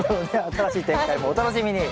新しい展開もお楽しみに。